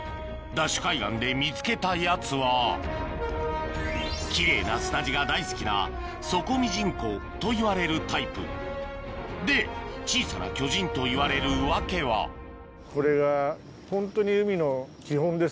海岸で見つけたやつは奇麗な砂地が大好きなソコミジンコといわれるタイプで小さな巨人といわれる訳はあすごい。